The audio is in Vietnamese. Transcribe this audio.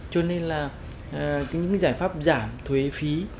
cho nên là những giải pháp giảm thuế phí